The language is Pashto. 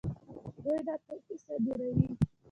دوی دا توکي صادروي.